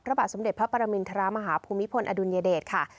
พระบาทสมเด็จพระปรมินทรมาฮภูมิพลอดุลยเดชค่ะ